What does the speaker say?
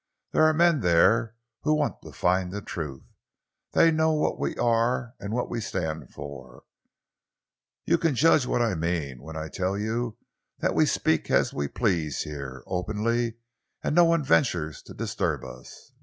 There are men there who want to find the truth. They know what we are and what we stand for. You can judge what I mean when I tell you that we speak as we please here, openly, and no one ventures to disturb us.